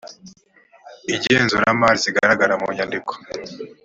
igenzuramari zigaragara mu nyandiko